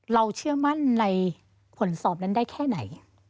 เชื่อมั่นในผลสอบนั้นได้แค่ไหน